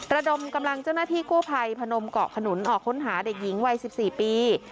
ระดมกำลังเจ้าหน้าที่กู้ภัยพนมเกาะขนุนออกค้นหาเด็กหญิงวัย๑๔ปี